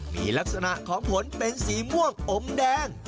มีลักษณะของผลเป็นสีม่วงอมแดง